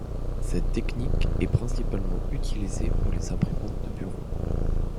Cette technique est principalement utilisée pour les imprimantes de bureaux.